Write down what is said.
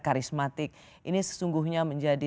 karismatik ini sesungguhnya menjadi